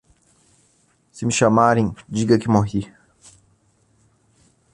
Se me chamarem, diga que morri!